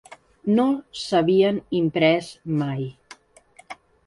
No s’havien imprès mai.